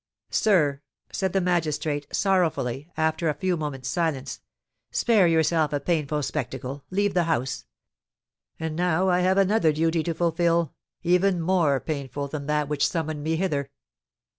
"Sir," said the magistrate, sorrowfully, after a few minutes' silence, "spare yourself a painful spectacle, leave the house. And now I have another duty to fulfil, even more painful than that which summoned me hither."